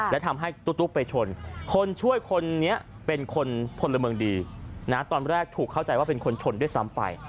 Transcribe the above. และทำให้ตุ๊กไปชนคนช่วยคนนี้เป็นคนพลเมืองดีนะตอนแรกถูกเข้าใจว่าเป็นคนชนด้วยซ้ำไป